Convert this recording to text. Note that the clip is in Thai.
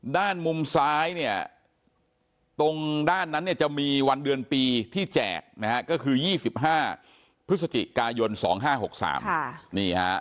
ด้านมุมซ้ายเนี่ยตรงด้านนั้นเนี่ยจะมีวันเดือนปีที่แจกนะฮะก็คือ๒๕พฤศจิกายน๒๕๖๓นี่ฮะ